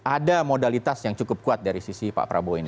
ada modalitas yang cukup kuat dari sisi pak prabowo ini